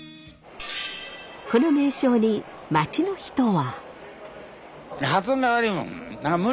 この名称に街の人は？